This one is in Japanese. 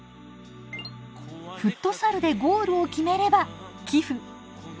フットサルでゴールを決めれば寄付。